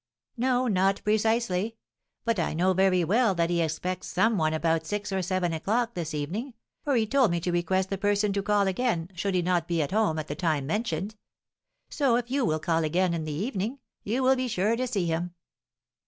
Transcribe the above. "No, not precisely; but I know very well that he expects some one about six or seven o'clock this evening, for he told me to request the person to call again, should he not be at home at the time mentioned. So, if you will call again in the evening, you will be sure to see him."